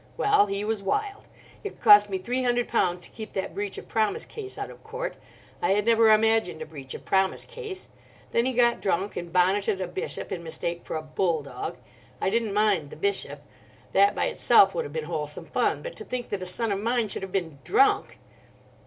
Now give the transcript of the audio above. Well, he was wild. It cost me three hundred pounds to keep that breach of promise case out of Court; I had never imagined a breach of promise case. Then he got drunk, and bonneted a bishop in mistake for a 'bull dog.' I didn't mind the bishop. That by itself would have been wholesome fun. But to think that a son of mine should have been drunk!"